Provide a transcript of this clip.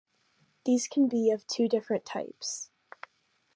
These can be of two different types.